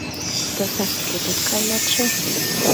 — Тысак, кӧ дек каятше?